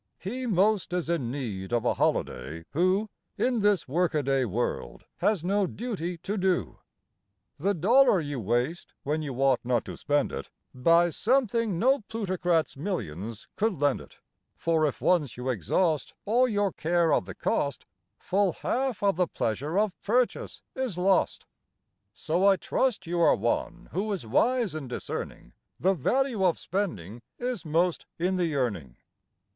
He most is in need of a holiday, who, In this workaday world, has no duty to do. The dollar you waste when you ought not to spend it Buys something no plutocrat's millions could lend it, For if once you exhaust All your care of the cost, Full half of the pleasure of purchase is lost, So I trust you are one who is wise in discerning The value of spending is most in the earning.